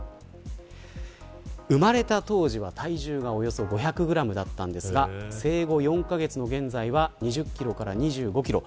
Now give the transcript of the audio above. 生まれた当時は体重がおよそ５００グラムだったんですが生後４カ月の現在は２０キロから２５キロ。